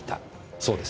そうですね？